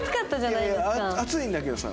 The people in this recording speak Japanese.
いやいや暑いんだけどさ